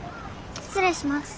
失礼します。